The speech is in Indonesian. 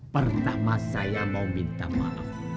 pertama saya mau minta maaf